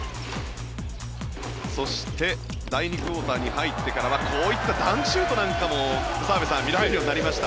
そして、第２クオーターに入ってからはこういったダンクシュートなんかも澤部さん見られるようになりました。